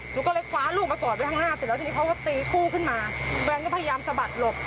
หนูก็เลยคว้าลูกมากอดไว้ข้างหน้าเสร็จแล้วทีนี้เขาก็ตีคู่ขึ้นมาแฟนก็พยายามสะบัดหลบ